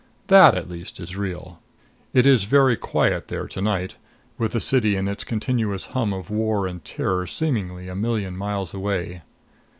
That, at least, is real. It is very quiet there to night, with the city and its continuous hum of war and terror seemingly a million miles away.